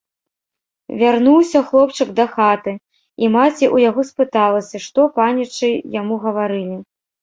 Вярнуўся хлопчык дахаты, і маці ў яго спыталася, што панічы яму гаварылі.